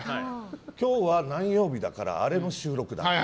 今日は何曜日だからあれの収録だって。